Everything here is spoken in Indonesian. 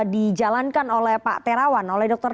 dijalankan oleh pak terawan oleh dokter